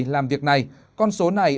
làm việc này con số này